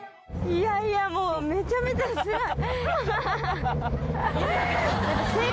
いやいやもうめちゃめちゃすごい。